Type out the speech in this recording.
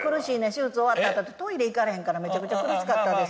手術終わった後ってトイレ行かれへんからめちゃくちゃ苦しかったですわ。